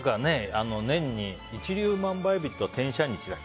一粒万倍日っと天赦日だっけ？